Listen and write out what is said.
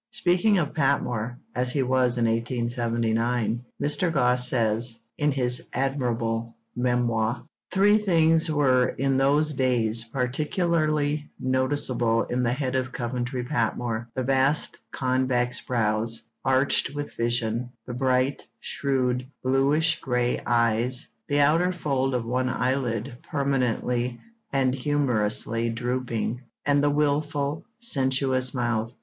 Speaking of Patmore as he was in 1879, Mr. Gosse says, in his admirable memoir: Three things were in those days particularly noticeable in the head of Coventry Patmore: the vast convex brows, arched with vision; the bright, shrewd, bluish grey eyes, the outer fold of one eyelid permanently and humorously drooping; and the wilful, sensuous mouth.